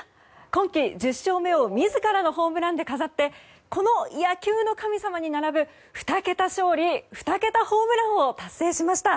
今季１０勝目を自らのホームランでかざってこの野球の神様に並ぶ２桁勝利２桁ホームランを達成しました。